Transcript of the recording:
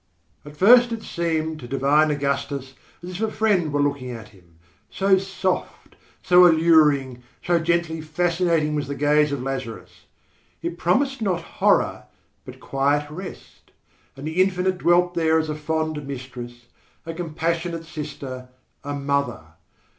At first it seemed to divine Augustus as if a friend were looking at him, so soft, so alluring, so gently fascinating was the gaze of Lazarus. It promised not horror but quiet rest, and the Infinite dwelt there as a fond mistress, a compassionate sister, a mother.